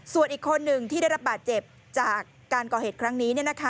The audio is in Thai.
ส่วนอีกคนหนึ่งที่ได้รับบาดเจ็บจากการก่อเหตุครั้งนี้